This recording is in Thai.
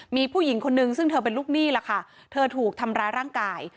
มีผู้หญิงคนนึงซึ่งเธอเป็นลูกหนี้ล่ะค่ะเธอถูกทำร้ายร่างกาย